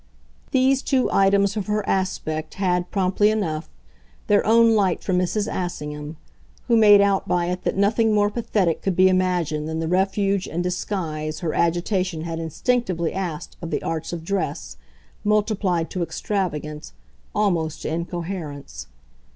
These two items of her aspect had, promptly enough, their own light for Mrs. Assingham, who made out by it that nothing more pathetic could be imagined than the refuge and disguise her agitation had instinctively asked of the arts of dress, multiplied to extravagance, almost to incoherence.